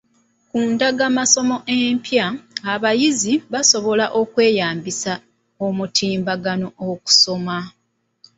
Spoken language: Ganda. Ku ndagamasomo empya, abayizi basobola okweyambisa omutimbagano okusoma.